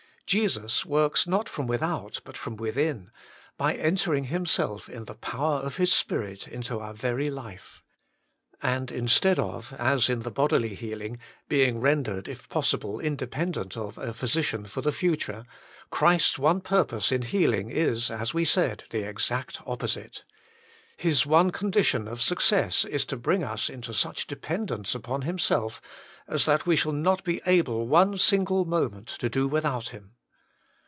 Jesus works not from without, but from within, by entering Himself in the power of His Spirit into our very life. And instead of, as in the bodily healing, being rendered, if possible, independent of a physician for the future, Christ s one purpose in healing is, as we said, the exact opposite. His one condition of success, is to bring us into such dependence upon Himself as that we shall not be able one single moment to do without Him.